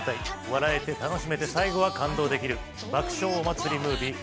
笑えて楽しめて最後は感動できる爆笑お祭りムービー